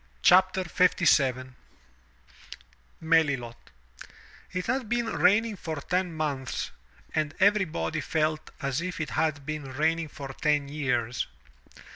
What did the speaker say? " 241 MY BOOK HOUSE MELILGT* T had been raining for ten months, and everybody felt as if it had been raining for ten years.